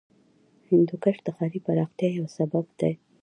هندوکش د ښاري پراختیا یو سبب دی.